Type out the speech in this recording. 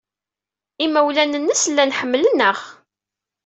Imawlan-nnes llan ḥemmlen-aɣ.